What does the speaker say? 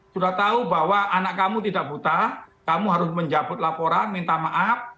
sudah tahu bahwa anak kamu tidak buta kamu harus mencabut laporan minta maaf